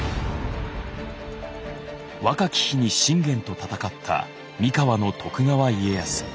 若き日に信玄と戦った三河の徳川家康。